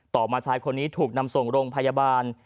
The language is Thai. มาชายคนนี้ถูกนำส่งโรงพยาบาล